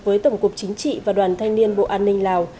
với tổng cục chính trị và đoàn thanh niên bộ an ninh lào